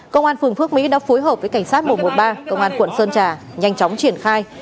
công an phường phước mỹ đã phối hợp với cảnh sát một trăm một mươi ba công an quận sơn trà nhanh chóng triển khai